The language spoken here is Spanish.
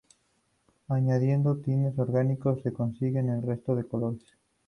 Añadiendo tintes orgánicos se consiguen el resto de colores.